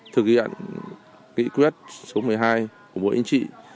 thực hiện nghị quyết số một mươi hai của bộ yên trị